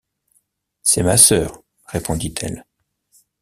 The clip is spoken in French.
C’est ma sœur, répondit-elle.